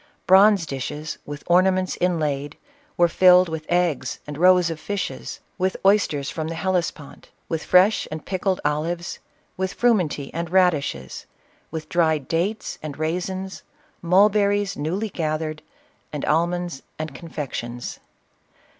Bronze dishes, with ornaments inlaid, were filled with eggs and roes of fishes, with oysters from the Helles pont, with fresh and pickled olives, with frumenty and radishes, with dried dates and raisins, mulberries new ly gathered, and almonds and confections.